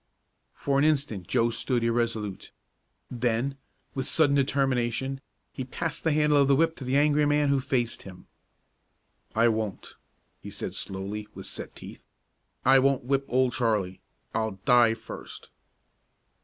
For an instant Joe stood irresolute; then, with sudden determination, he passed the handle of the whip to the angry man who faced him. "I won't," he said slowly, with set teeth; "I won't whip Old Charlie. I'll die first!"